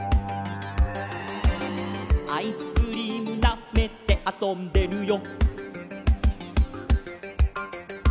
「アイスクリームなめてあそんでるよ」